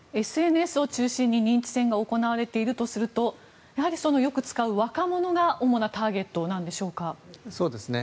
ＳＮＳを中心に認知戦が行われているとするとやはりよく使う若者が主なターゲットなんでしょうか。